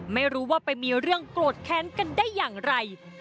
ไม่รู้ว่าไปมีเรื่องโกรธแค้นกันได้อย่างไร